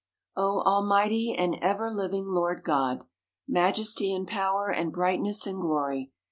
O Almighty and ever living Lord God! Majesty, and Power, and Brightness, and Glory